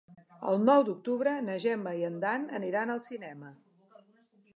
El nou d'octubre na Gemma i en Dan aniran al cinema.